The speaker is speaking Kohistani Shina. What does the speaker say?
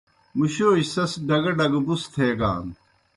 مُشوجیْ سیْس ڈگہ ڈگہ بُس تھیگان۔